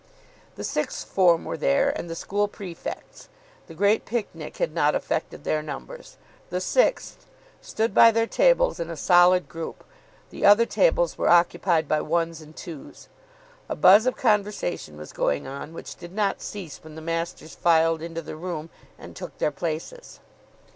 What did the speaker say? The Sixth Form were there, and the school prefects. The Great Picnic had not affected their numbers. The Sixth stood by their table in a solid group. The other tables were occupied by ones and twos. A buzz of conversation was going on, which did not cease when the masters filed into the room and took their places.